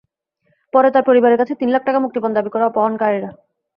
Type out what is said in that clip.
পরে তার পরিবারের কাছে তিন লাখ টাকা মুক্তিপণ দাবি করে অপহরণকারীরা।